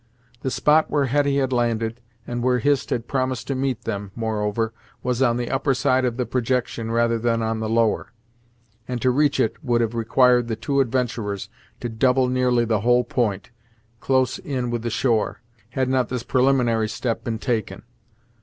The spot where Hetty had landed, and where Hist had promised to meet them, moreover, was on the upper side of the projection rather than on the lower; and to reach it would have required the two adventurers to double nearly the whole point, close in with the shore, had not this preliminary step been taken.